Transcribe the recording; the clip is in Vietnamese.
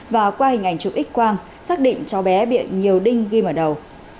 và qua hình ảnh chụp x quang xác định cháu bé bị nhiều đinh ghi mở đầu